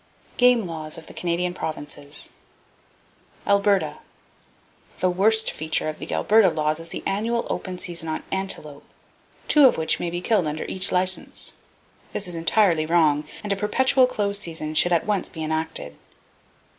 Game Laws Of The Canadian Provinces Alberta. —The worst feature of the Alberta laws is the annual open season on antelope, two of which may be killed under each license. This is entirely wrong, and a perpetual close season should at once be enacted.